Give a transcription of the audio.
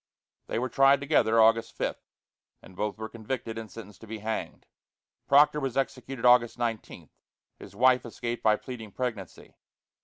They were tried together August 5, and both were convicted and sentenced to be hanged. Proctor was executed August 19. His wife escaped by pleading pregnancy.